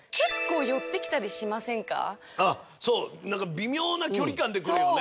微妙な距離感で来るよね。